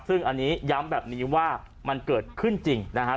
ซึ่งอันนี้ย้ำแบบนี้ว่ามันเกิดขึ้นจริงนะครับ